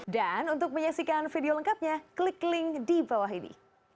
dan untuk menyaksikan video lengkapnya klik link di bawah ini